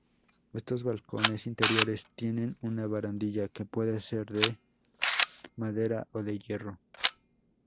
Estos 'balcones interiores' tienen una barandilla que puede ser de madera o de hierro.